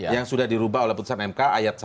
yang sudah dirubah oleh putusan mk ayat satu